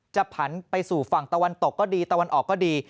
ผันไปสู่ฝั่งตะวันตกก็ดีตะวันออกก็ดี